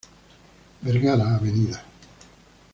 Vergara, Av.